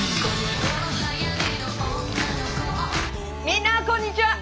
みんなこんにちは。